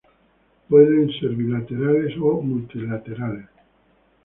Pueden ser bilaterales o multilaterales.